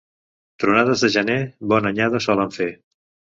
Tronades de gener bona anyada solen fer.